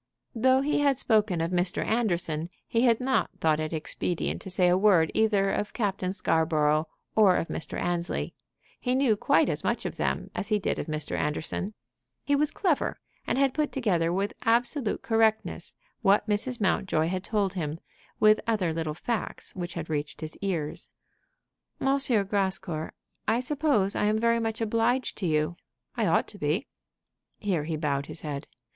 Though he had spoken of Mr. Anderson, he had not thought it expedient to say a word either of Captain Scarborough or of Mr. Annesley. He knew quite as much of them as he did of Mr. Anderson. He was clever, and had put together with absolute correctness what Mrs. Mountjoy had told him, with other little facts which had reached his ears. "M. Grascour, I suppose I am very much obliged to you. I ought to be." Here he bowed his head.